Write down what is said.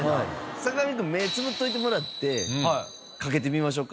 坂上くん目つぶっといてもらってかけてみましょうか。